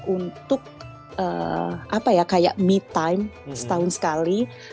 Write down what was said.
untuk apa ya kayak me time setahun sekali